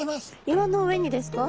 岩の上にですか？